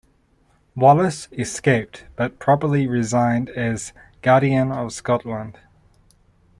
Wallace escaped but probably resigned as Guardian of Scotland.